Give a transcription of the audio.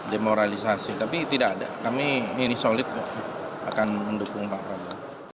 demoralisasi tapi tidak ada kami ini solid kok akan mendukung pak prabowo